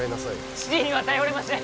父には頼れません